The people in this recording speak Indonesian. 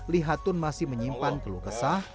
lihatun masih menyimpan geluk esah